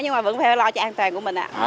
nhưng vẫn phải lo cho an toàn của mình